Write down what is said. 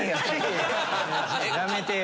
やめてよ。